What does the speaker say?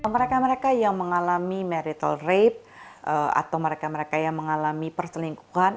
mereka mereka yang mengalami merital rape atau mereka mereka yang mengalami perselingkuhan